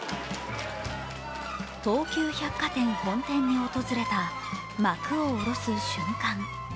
東急百貨店本店に訪れた幕を下ろす瞬間。